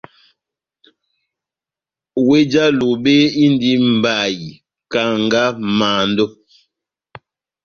Wéh já Lobe indi mbayi, kanga, mando,